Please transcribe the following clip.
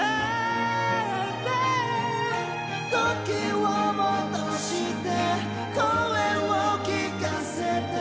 「時を戻して、声を聞かせて、」